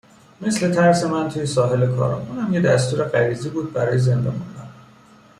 مثل ترس من توی ساحل کارون. اونم یه دستور غریزی بود برای زنده موندن